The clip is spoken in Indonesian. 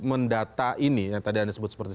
mendata ini yang tadi anda sebut seperti